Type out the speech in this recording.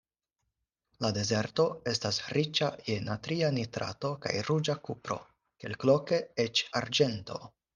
La dezerto estas riĉa je natria nitrato kaj ruĝa kupro, kelkloke eĉ arĝento.